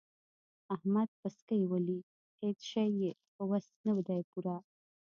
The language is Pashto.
احمد پسکۍ ولي؛ هيڅ شی يې په وس نه دی پوره.